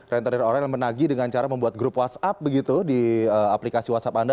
rentenir orang yang menagi dengan cara membuat grup whatsapp begitu di aplikasi whatsapp anda